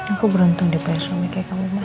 aku beruntung di pesumi kayak kamu mas